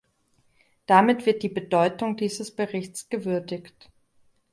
Damit wird die Bedeutung dieses Berichts gewürdigt.